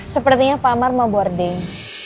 sepertinya pak mar mau boarding